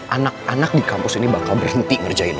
anak anak di kampus ini bakal berhenti ngerjain